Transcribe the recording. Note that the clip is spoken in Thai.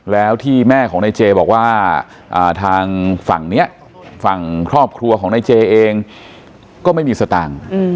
แล้วที่แม่ของนายเจบอกว่าทางฝั่งนี้ฝั่งครอบครัวของนายเจเองก็ไม่มีสตางค์